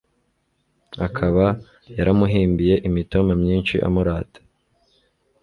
akaba yaramuhimbiye imitoma myinshi amurata